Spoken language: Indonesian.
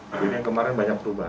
jadi yang kemarin banyak perubahan